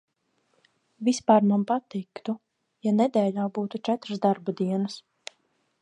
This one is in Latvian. Vispār man patiktu, ja nedēļā būtu četras darba dienas.